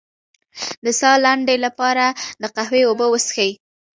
د ساه لنډۍ لپاره د قهوې اوبه وڅښئ